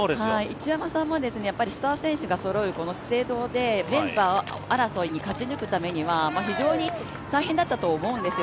一山さんもスター選手がそろう資生堂でメンバー争いを勝ち抜くためには大変だったと思います。